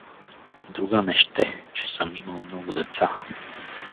Друга не ще, че съм имал много деца.